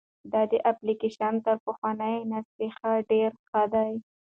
دا اپلیکیشن تر پخواني نسخه ډېر ښه دی.